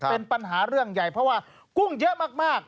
เป็นปัญหาเรื่องใหญ่เพราะว่ากุ้งเยอะมาก